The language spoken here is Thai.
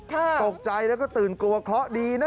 ตกใจแล้วก็ตื่นกลัวเคราะห์ดีนะ